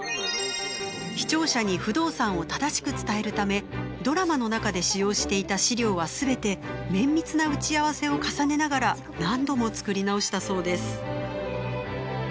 視聴者に不動産を正しく伝えるためドラマの中で使用していた資料は全て綿密な打ち合わせを重ねながら何度も作り直したそうです。